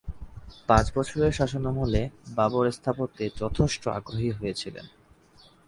পাঁচ বছরের শাসনামলে বাবর স্থাপত্যে যথেষ্ট আগ্রহী ছিলেন।